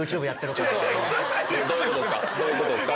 どういうことですか？